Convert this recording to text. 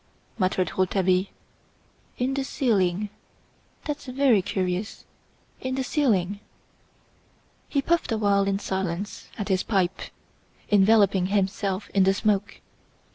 muttered Rouletabille. "In the ceiling! That's very curious! In the ceiling!" He puffed awhile in silence at his pipe, enveloping himself in the smoke.